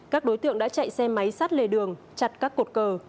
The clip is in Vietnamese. các đối tượng đã chạy xe máy sát lề đường chặt các cột cờ